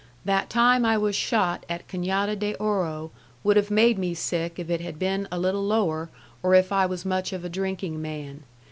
That time I was shot at Canada de Oro would have made me sick if it had been a littel lower or if I was much of a drinking man.